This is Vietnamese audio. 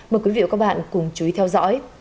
mời quý vị và các bạn cùng chú ý theo dõi